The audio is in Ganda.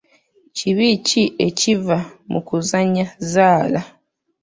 Kibi ki ekiva mu kuzannya zzaala?